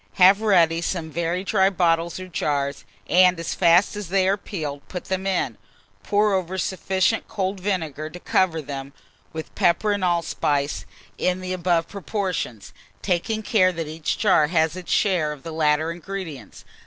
Have ready some very dry bottles or jars, and as fast as they are peeled, put them in. Pour over sufficient cold vinegar to cover them, with pepper and allspice in the above proportions, taking care that each jar has its share of the latter ingredients.